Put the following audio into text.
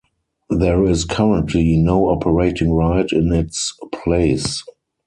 There is currently no operating ride in its place.